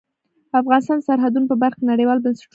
افغانستان د سرحدونه په برخه کې نړیوالو بنسټونو سره کار کوي.